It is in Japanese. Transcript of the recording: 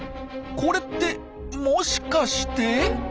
これってもしかして？